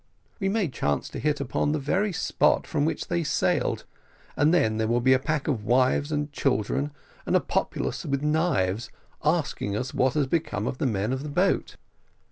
We may chance to hit upon the very spot from which they sailed, and then there will be a pack of wives and children, and a populace with knives, asking us what has become of the men of the boat."